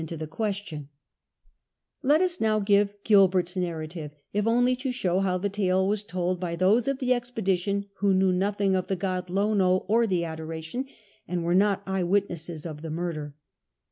XI GILBERTS STORY iSS Let us now give Gilbert's narrative, if only to show how the tale was told by those of the expedition who knew nothing of the god Lono or the adoration, and were not eye witnesses of the murder.